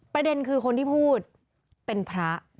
ประเด็นคือคนที่พูดเป็นพระ